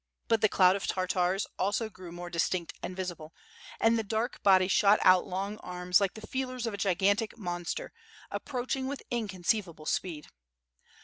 But the cloud of Tartars also grew more distinct and visible, and the dark body shot out long arms like the feelers of a gigantic monster, approaching with inconceivable speed.